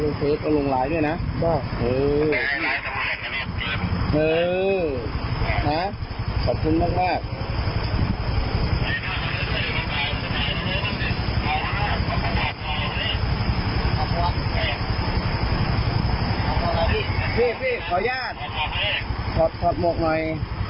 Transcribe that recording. พี่พี่ขออนุญาตขอบคุณพี่ขอบขอบหมวกหน่อย